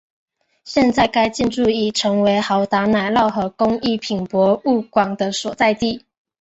现在该建筑已成为豪达奶酪和工艺品博物馆的所在地。